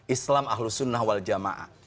islam ahlus sunnah wal jamaah